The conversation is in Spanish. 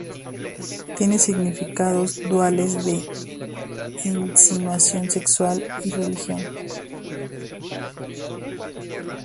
Tienen significados duales de insinuaciones sexuales y religión.